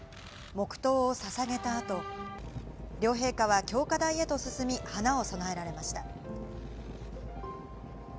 黙とうをささげた後、両陛下は供花台へと進み、花を供えられました。